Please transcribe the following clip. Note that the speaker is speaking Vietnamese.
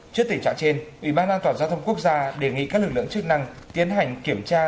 trước tình trạng trên ủy ban an toàn giao thông quốc gia đề nghị các lực lượng chức năng tiến hành kiểm tra